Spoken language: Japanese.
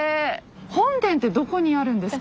本殿ってどこにあるんですか？